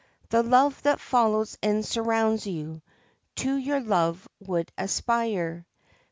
The love that follows and surrounds you To your love would aspire.